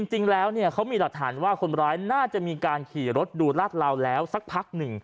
จริงแล้วเขามีหลักฐานว่าคนร้ายน่าจะมีการขี่รถดูลาดเหลาแล้วสักพักหนึ่ง